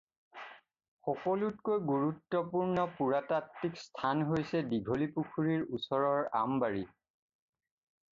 সকলোতকৈ গুৰুত্বপূৰ্ণ পুৰাতাত্বিক স্থান হৈছে দীঘলী পুখুৰীৰ ওচৰৰ আমবাৰী।